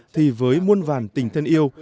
thì với muôn vàn tình thân yêu